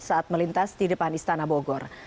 saat melintas di depan istana bogor